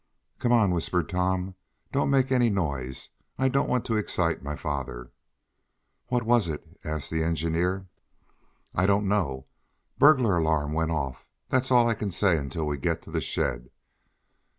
"Come on!" whispered Tom. "Don't make any noise. I don't want to excite my father." "What was it?" asked the engineer. "I don't know. Burglar alarm went off, that's all I can say until we get to the shed."